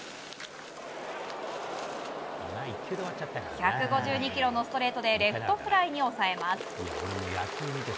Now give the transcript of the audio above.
１５２キロのストレートでレフトフライに抑えます。